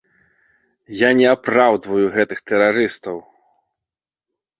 Я не апраўдваю гэтых тэрарыстаў.